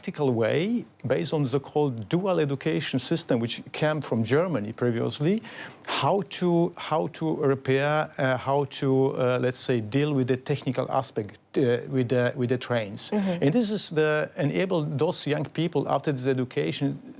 ที่จะเรียนรู้โดยลดี่ช่วยจุดงานหลังจากภาพสินตมแนวดวนรุนเมืองเมืองเมืองเมืองเมือง